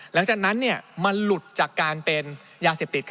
หลังจากนั้นแล้วมันน่าจะหลุดจากการเป็นยาเสียบติด